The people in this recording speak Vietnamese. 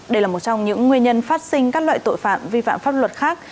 đây là một trong những nguyên nhân phát sinh các loại tội phạm vi phạm pháp luật khác